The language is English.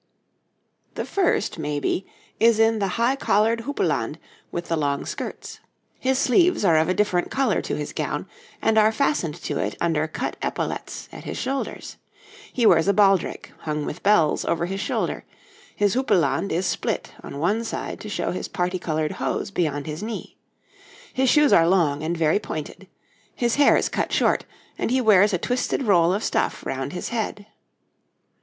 }] The first, maybe, is in the high collared houppelande with the long skirts; his sleeves are of a different colour to his gown, and are fastened to it under cut epaulettes at his shoulders; he wears a baldrick, hung with bells, over his shoulder; his houppelande is split on one side to show his parti coloured hose beyond his knee; his shoes are long and very pointed; his hair is cut short, and he wears a twisted roll of stuff round his head.